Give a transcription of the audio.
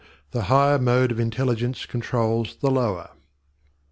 THE HIGHER MODE OF INTELLIGENCE CONTROLS THE LOWER.